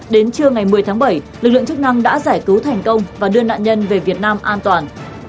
đến trưa ngày một mươi tháng bảy lực lượng chức năng đã giải cứu thành công và đưa nạn nhân về việt nam an toàn